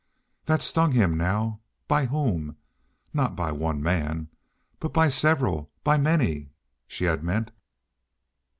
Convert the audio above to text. That stung him now. By whom? Not by one man, but by several, by many, she had meant.